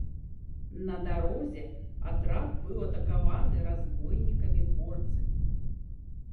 На дарозе атрад быў атакаваны разбойнікамі-горцамі.